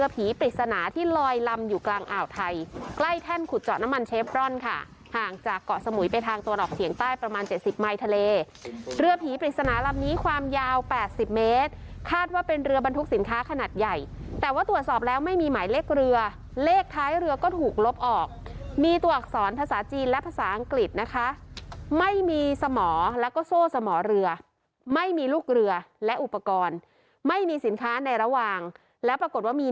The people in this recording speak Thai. ผีปริศนาที่ลอยลำอยู่กลางอ่าวไทยใกล้แท่นขุดเจาะน้ำมันเชฟรอนค่ะห่างจากเกาะสมุยไปทางตัวหนอกเถียงใต้ประมาณเจ็ดสิบไมค์ทะเลเรือผีปริศนาลำนี้ความยาวแปดสิบเมตรคาดว่าเป็นเรือบรรทุกสินค้าขนาดใหญ่แต่ว่าตรวจสอบแล้วไม่มีหมายเลขเรือเลขท้ายเรือก็ถูกลบออกมีตัวอัก